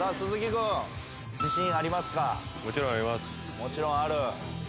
もちろんある？